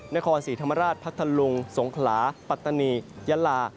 นครศรีธรรมราชพัทธลุงสงขลาปัตตานียะลา